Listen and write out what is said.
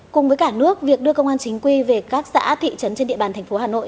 cùng với cả nước việc đưa công an chính quy về các xã thị trấn trên địa bàn thành phố hà nội